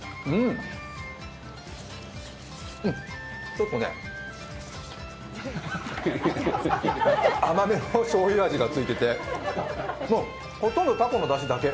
ちょっとね甘めのしょうゆ味がついててほとんどたこのだしだけ？